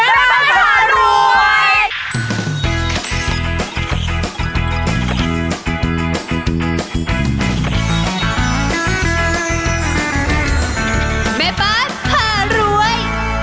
แม่ป้าภาร้วย